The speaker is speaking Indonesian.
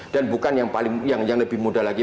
dan bukan yang lebih muda lagi